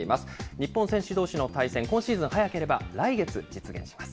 日本選手どうしの対戦、今シーズン、早ければ来月、実現します。